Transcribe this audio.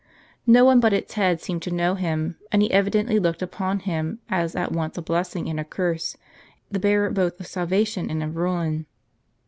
No one but its head seemed to know him ; and he evidently looked upon him as at once a blessing and a curse, the bearer both of salvation and of ruin.